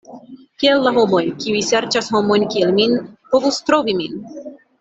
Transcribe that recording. Kiel la homoj, kiuj serĉas homojn kiel min, povus trovi min?